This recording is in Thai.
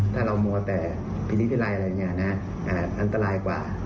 ถ้าเราหมวบแต่พีนิทฤรัยอันตรายกว่า